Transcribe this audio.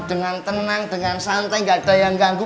dengan tenang dengan santai gak ada yang ganggu